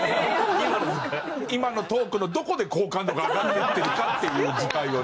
今のトークのどこで好感度が上がっていってるかっていう図解をね。